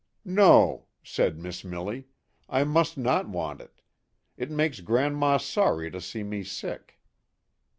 " No," said Missmilly, " I must not want it. It makes Grandma sorry to see me sick."